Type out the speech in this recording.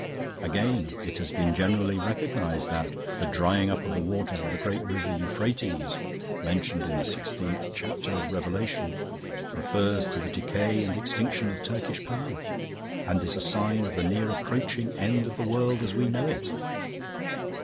"Again, it has been generally recognised that 'the drying up of the waters of the great river Euphrates,' mentioned in the sixteenth chapter of Revelation, refers to the decay and extinction of Turkish power, and is a sign of the near approaching end of the world as we know it.